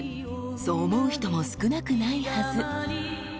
［そう思う人も少なくないはず］